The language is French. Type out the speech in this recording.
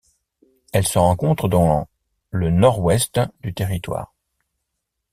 Elle se rencontre dans le Nord-Ouest du territoire.